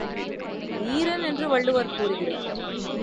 வீரன் என்று வள்ளுவர் கூறுகிறார்.